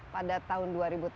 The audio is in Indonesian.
pada tahun dua ribu tiga puluh